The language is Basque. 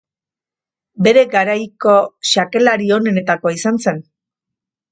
Bere garaiko xakelari onenetakoa izan zen.